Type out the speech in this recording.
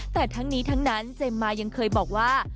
แต่ทั้งนี้ทั้งนั้นเจมส์มายังเคยบอกว่า